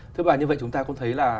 thưa bà như vậy chúng ta cũng thấy là